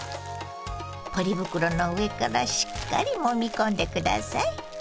ポリ袋の上からしっかりもみ込んで下さい。